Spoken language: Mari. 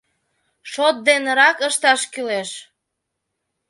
Шот денырак ышташ кӱлеш.